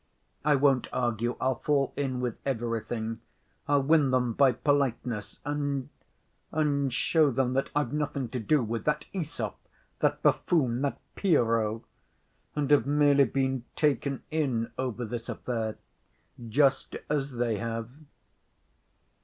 I won't argue, I'll fall in with everything, I'll win them by politeness, and ... and ... show them that I've nothing to do with that Æsop, that buffoon, that Pierrot, and have merely been taken in over this affair, just as they have."